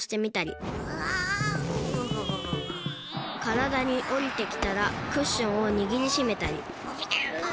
からだにおりてきたらクッションをにぎりしめたりぎゅう。